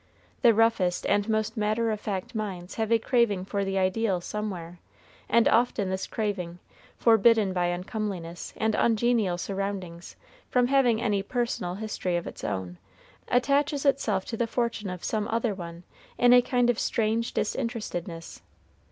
The roughest and most matter of fact minds have a craving for the ideal somewhere; and often this craving, forbidden by uncomeliness and ungenial surroundings from having any personal history of its own, attaches itself to the fortune of some other one in a kind of strange disinterestedness.